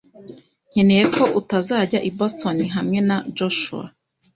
nkeneye ko utazajya i Boston hamwe na Joshua.